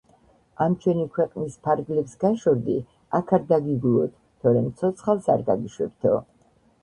ამ ჩვენი ქვეყნის ფარგლებს გაშორდი, აქ არ დაგიგულოთ, თორემ ცოცხალს არ გაგიშვებთო.